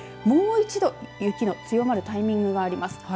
もう一度、雪が強まるタイミングがあります。